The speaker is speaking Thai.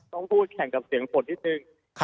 ต้องพูดแข่งกับเสียงฝนนิดนึง